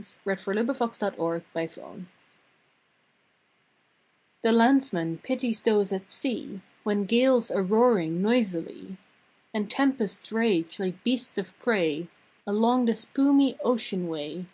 September Seventh A SUGGESTION HPHE Landsman pities those at sea When gales are roaring noisily, And tempests rage like beasts of prey Along the spumy ocean way.